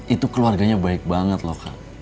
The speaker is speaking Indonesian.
itu keluarganya baik banget loh kak